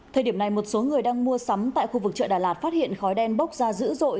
thời điểm này một số người đang mua sắm tại khu vực chợ đà lạt phát hiện khói đen bốc ra dữ dội